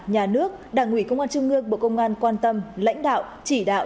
nhà nước đảng ủy công an trung ương bộ công an quan tâm lãnh đạo chỉ đạo